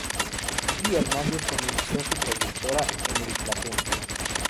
Eddie Hernández comenzó su trayectoria en el Platense.